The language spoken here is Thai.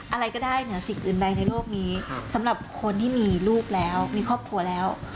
อะไรก็ได้เหนือสิ่งอื่นใดในโลกนี้สำหรับคนที่มีลูกแล้วมีครอบครัวแล้ว